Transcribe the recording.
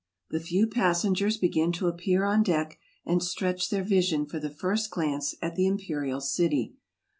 The few passengers begin to appear on deck and stretch their vision for the first glance at the im perial city.